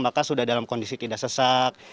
maka sudah dalam kondisi tidak sesak